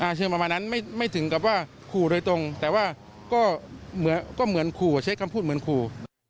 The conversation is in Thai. อ่าเชิงประมาณนั้นไม่ถึงกับว่าคู่โดยตรงแต่ว่าก็เหมือนคู่เช็คคำพูดเหมือนคู่